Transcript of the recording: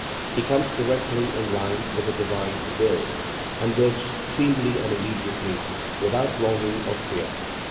He comes directly in line with the divine Will, and works cleanly and immediately, without longing or fear.